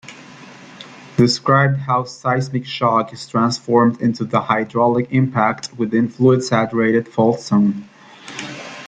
Described how seismic shock is transformed into the hydraulic impact within fluid-saturated fault zone.